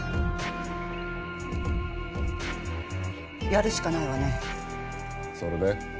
やるしかないわねそれで？